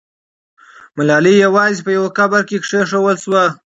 ملالۍ یوازې په یو قبر کې کښېښودل سوه.